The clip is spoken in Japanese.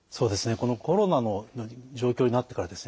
このコロナの状況になってからですね